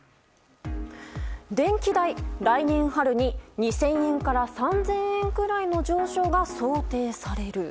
電気代、来年春に２０００円から３０００円くらいの上昇が想定される。